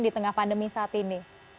di tengah pandemi saat ini